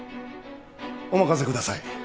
お任せください。